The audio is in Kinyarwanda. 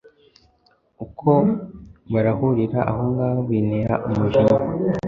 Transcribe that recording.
uko barahurira ahongaho bintera umujinya